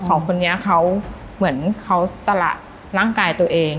สองคนนี้เขาเหมือนเขาสละร่างกายตัวเอง